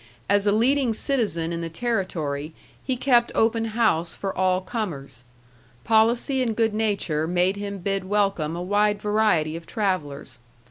As a leading citizen in the Territory he kept open house for all comers. Policy and good nature made him bid welcome a wide variety of travellers.